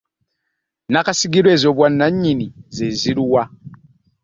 Nnakasigirwa ezobwannanyini ze ziriwa?